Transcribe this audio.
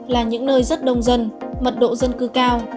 là những nơi rất đông dân mật độ dân cư cao